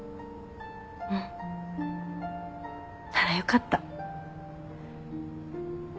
うん。ならよかった。